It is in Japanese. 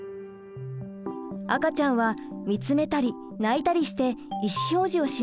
赤ちゃんは見つめたり泣いたりして意思表示をします。